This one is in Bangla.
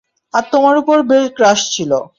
তার তোমার উপর বেশ ক্রাশ ছিল।